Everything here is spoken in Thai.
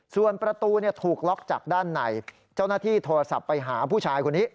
ส่วนประตูถูกล็อกจากด้านในเจ้าหน้าที่โทรศัพท์ไปหาผู้ชายคนนี้